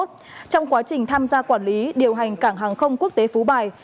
trong quá trình tham gia quản lý điều hành cảng hàng không quốc tế phú bài